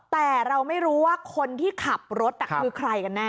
แต่เราไม่รู้ว่าคนที่ขับรถคือใครกันแน่